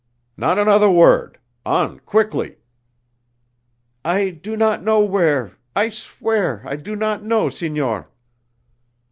"Not another word. On, quickly!" "I do not know where, I swear I do not know, signor!"